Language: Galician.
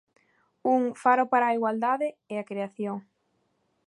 Un "faro para a igualdade" e a creación.